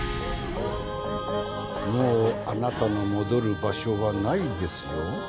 もうあなたの戻る場所はないですよ。